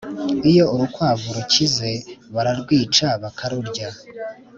Iyo urukwavu rukize bararwica bakarurya